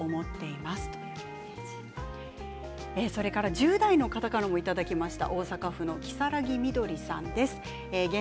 １０代の方からもいただきました。